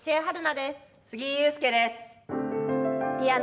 杉井勇介です。